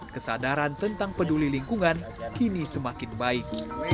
kesadaran tentang peduli lingkungan kini semakin baik